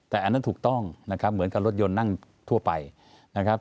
แต่อันนั้นถูกต้องนะครับเหมือนกับรถยนต์นั่งทั่วไปนะครับ